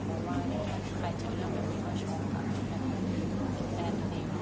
เพราะว่าใครจะทำอย่างนี้ก็ชอบกันแล้วก็เป็นแบบที่ดีกว่า